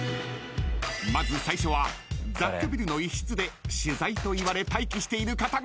［まず最初は雑居ビルの一室で取材と言われ待機している方がエントリー］